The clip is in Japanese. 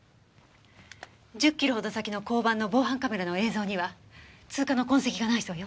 １０キロほど先の交番の防犯カメラの映像には通過の痕跡がないそうよ。